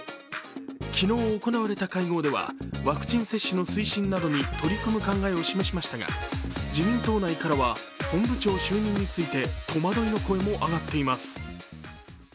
昨日行われた会合ではワクチン接種の推進などに取り組む考えを示しましたが自民党内からは本部長就任について戸惑いの声も上がっています。